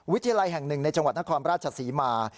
ลัยแห่งหนึ่งในจังหวัดนครราชศรีมา